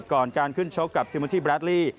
ก่อนการขึ้นชกกับซิมูลที่แรดลี่